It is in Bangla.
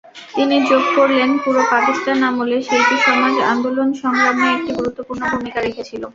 তিনি যোগ করলেন, পুরো পাকিস্তান আমলে শিল্পীসমাজ আন্দোলন-সংগ্রামে একটি গুরুত্বপূর্ণ ভূমিকা রেখেছিল।